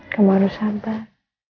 kamu harus sabar